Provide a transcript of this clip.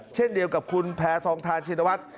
เช่นเดียวกับคุณแพทองทานชินวัฒน์